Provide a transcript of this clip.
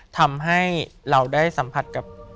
ทำให้เราได้สัมผัสกับ